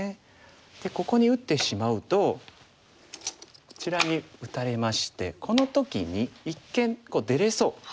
ここに打ってしまうとこちらに打たれましてこの時に一見出れそう。